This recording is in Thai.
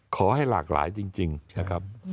ขอให้หลากหลายจริงนะครับ